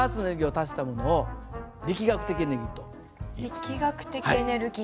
力学的エネルギー。